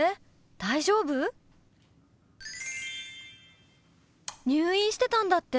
大丈夫？入院してたんだって？